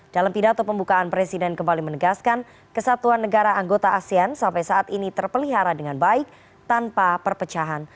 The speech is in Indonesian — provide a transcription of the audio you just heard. dalam pidato pembukaan presiden kembali menegaskan kesatuan negara anggota asean sampai saat ini terpelihara dengan baik tanpa perpecahan